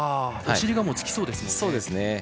お尻がもうつきそうですものね。